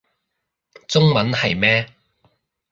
中文係咩